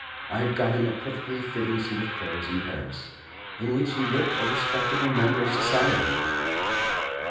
I had got him a perfectly fitting suit of clothes in Paris, in which he looked a respectable member of society.